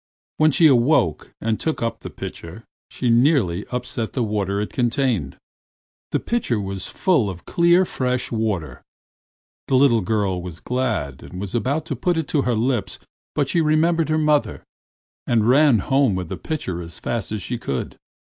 When she awoke and took up the pitcher she nearly upset the water it contained. The pitcher was full of clear, fresh water. The little girl was glad and was about to put it to her lips, but she remembered her mother and ran home with the pitcher as fast as she could.